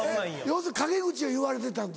要するに陰口を言われてたんだ。